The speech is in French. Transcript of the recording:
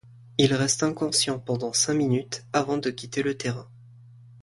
Il reste inconscient pendant cinq minutes avant de quitter le terrain.